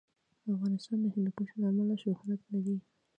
افغانستان د هندوکش له امله شهرت لري.